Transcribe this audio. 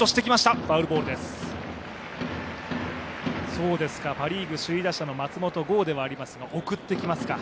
そうですか、パ・リーグ首位打者の松本剛ではありますが、送ってきますか。